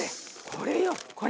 これよこれ。